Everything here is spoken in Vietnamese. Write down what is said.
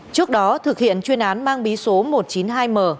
trước đó thực hiện chuyên án mang bí số một trăm chín mươi hai m